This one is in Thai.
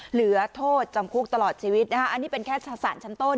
เหลือโทษจำคุกตลอดชีวิตนะคะอันนี้เป็นแค่สารชั้นต้น